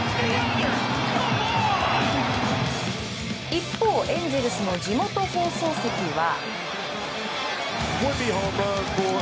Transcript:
一方エンゼルスの地元放送席は。